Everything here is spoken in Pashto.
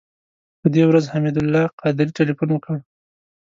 په دې ورځ حمید الله قادري تیلفون وکړ.